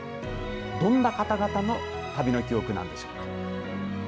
どんな方々の旅の記憶なんでしょうか。